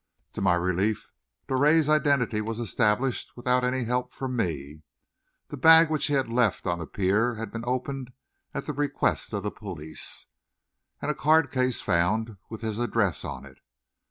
To my relief, Drouet's identity was established without any help from me. The bag which he had left on the pier had been opened at the request of the police and a card case found with his address on it.